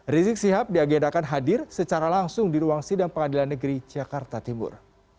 rizik sihab diagendakan hadir secara langsung di ruang sidang pengadilan negeri jakarta timur